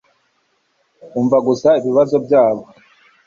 umva gusa ibibazo byabo